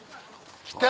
来た！